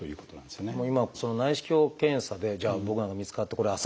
今その内視鏡検査でじゃあ僕なんかに見つかってこれ浅いと。